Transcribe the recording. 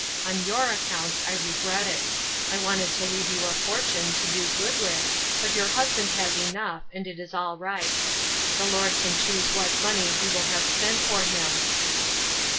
On your account I regret it. I wanted to leave you a fortune to do good with, but your husband has enough, and it is all right. The Lord can choose what money he will have spent for him."